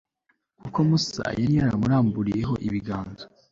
kuko musa yari yaramuramburiyeho ibiganza